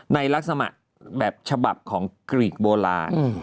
ในลักษณะแบบฉบับของกรีดโบราณ